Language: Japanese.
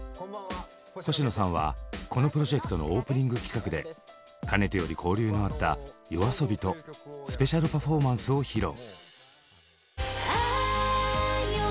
星野さんはこのプロジェクトのオープニング企画でかねてより交流のあったＹＯＡＳＯＢＩとスペシャルパフォーマンスを披露。